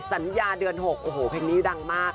สัญญาเดือน๖โอ้โหเพลงนี้ดังมาก